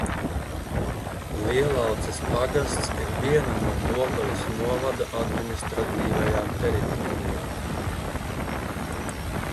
Lielauces pagasts ir viena no Dobeles novada administratīvajām teritorijām.